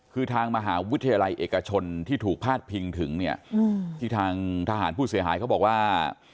คือทางมหาวิทยาลัยเอกชนที่ถูกพาดพิงถึงเนี่ยที่ทางทหารผู้เสียหายเขาบอกว่า